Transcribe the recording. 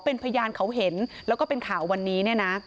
เป็นพยานเขาเห็นแล้วก็เป็นข่าววันนี้เนี่ยนะ